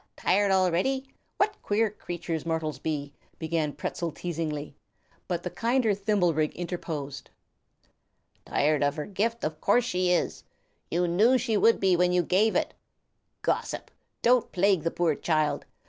Tired already? What queer creatures mortals be!" began Pertzal teasingly; but the kinder Thimblerig interposed. "Tired of her gift, of course she is! You knew she would be when you gave it, Gossip! Don't plague the poor child.